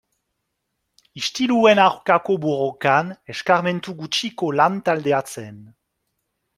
Istiluen aurkako borrokan eskarmentu gutxiko lan-taldea zen.